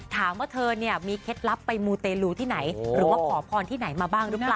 ถามว่าเธอเนี่ยมีเคล็ดลับไปมูเตลูที่ไหนหรือว่าขอพรที่ไหนมาบ้างหรือเปล่า